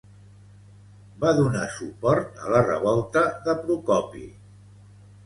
Va donar suport a la revolta de Procopi.